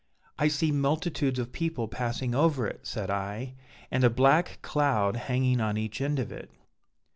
'I see multitudes of people passing over it,' said I, 'and a black cloud hanging on each end of it.'